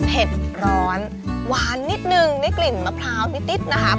ร้อนหวานนิดนึงได้กลิ่นมะพร้าวนิดนะครับ